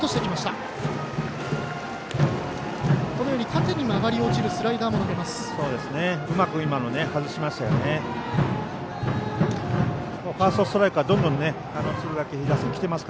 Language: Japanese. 縦に曲がり落ちるスライダーを投げます。